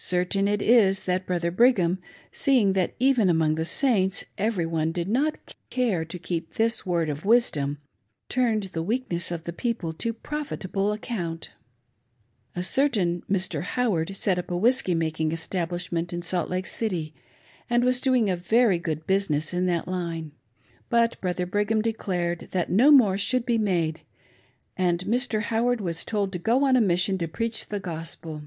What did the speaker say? '' Cer tain it is that Brother Brigham, seeing that even among the Saints every one did not care to keep this " Word of Wisdom," turned the weakness of the people to profitable account. A certain Mr. Howard set up a whiskey making establish ment in Salt Lake City, and was doing a very good business in that line ; but Brother Brigham declared that no more should be made, and Mr. Howard was told to go on a mission to preach the Gospel.